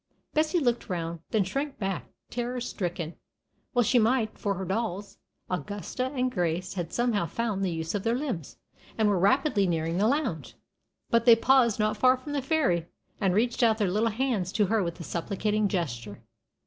Bessie looked round, then shrank back, terror stricken. Well she might, for her dolls Augusta and Grace had somehow found the use of their limbs, and were rapidly nearing the lounge. But they paused not far from the fairy, and reached out their little hands to her with a supplicating gesture.